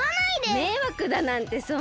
めいわくだなんてそんな。